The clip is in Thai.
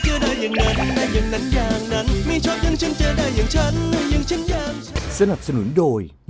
กูเนี่ยมันเอกผู้ใหญ่ตุ๊ก